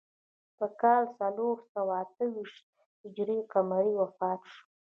په کال څلور سوه اته ویشت هجري قمري وفات شو.